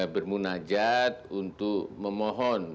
bermunajat untuk memohon